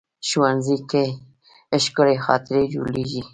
ښوونځی کې ښکلي خاطرې جوړېږي